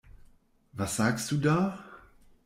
Was sagst du da?